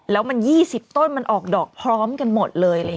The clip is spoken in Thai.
แล้วมัน๒๐ต้นมันออกดอกพร้อมกันหมดเลย